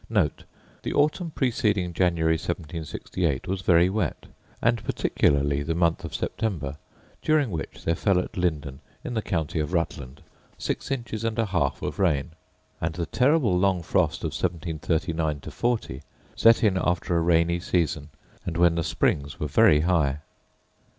* The autumn preceding January 1768 was very wet, and particularly the month of September, during which there fell at Lyndon, in the county of Rutland, six inches and an half of rain. And the terrible long frost of 1739 40 set in after a rainy season, and when the springs were very high.